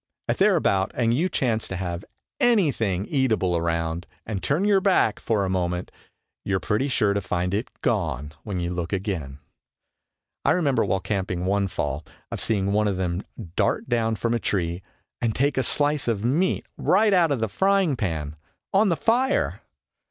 If they are about and you chance to have anything eatable around and turn your back for a moment you are pretty sure to find it gone when you look again. I remember while camping one fall, of seeing one of them dart down from a tree and take a slice of meat right out of the frying pan on the fire!